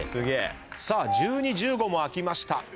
１２１５も開きました。